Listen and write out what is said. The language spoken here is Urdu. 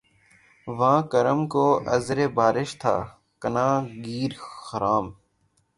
واں کرم کو عذرِ بارش تھا عناں گیرِ خرام